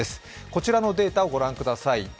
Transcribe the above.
こちらのデータを御覧ください。